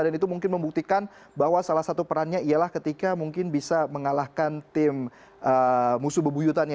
dan itu mungkin membuktikan bahwa salah satu perannya ialah ketika mungkin bisa mengalahkan tim musuh bebuyutannya